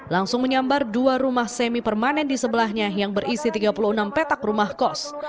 langsung menyambar dua rumah semi permanen di sebelahnya yang berisi tiga puluh enam petak rumah kos